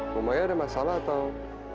rumahnya ada masalah atau